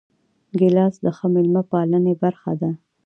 ګیلاس د ښه میلمه پالنې برخه ده.